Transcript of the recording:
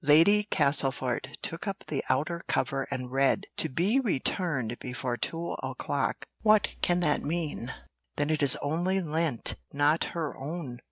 Lady Castlefort took up the outer cover and read, "To be returned before two o'clock." "What can that mean? Then it is only lent; not her own.